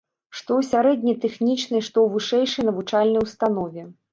Што ў сярэдняй тэхнічнай, што ў вышэйшай навучальнай установе.